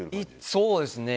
そうですね。